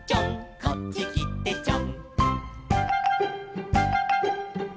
「こっちきてちょん」